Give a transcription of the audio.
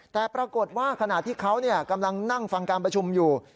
แต่ปรากฏว่าขณะที่เขากำลังนั่งฟังการประชุมอยู่